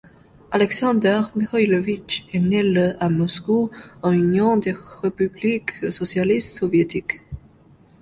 Aleksandr Mikhaïlovitch est né le à Moscou en Union des républiques socialistes soviétiques.